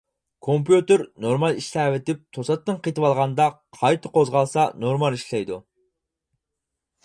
كومپيۇتېر نورمال ئىشلەۋېتىپ، توساتتىن قېتىۋالغاندا قايتا قوزغالسا نورمال ئىشلەيدۇ.